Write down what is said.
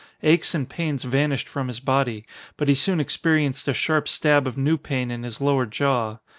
Aches and pains vanished from his body, but he soon experienced a sharp stab of new pain in his lower jaw.